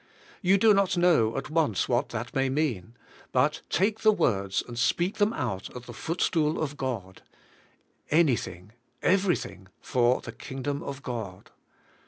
You do noL know at once what that may mean, but take the words and speak them out at the footstool of God: ''An^^thing, everything, for the Kingdom of God."